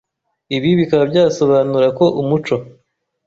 Ibi bikaba byasobanura ko umuco